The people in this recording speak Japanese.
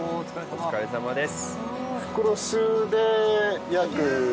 お疲れさまです！